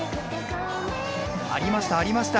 ありました、ありました。